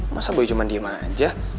masa boy cuma diem aja